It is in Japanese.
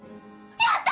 やった！